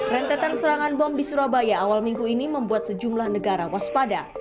rentetan serangan bom di surabaya awal minggu ini membuat sejumlah negara waspada